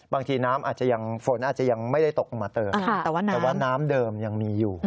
บางทีน้ำอาจจะยังฝนอาจจะยังไม่ได้ตกลงมาเติมแต่ว่าน้ำเดิมยังมีอยู่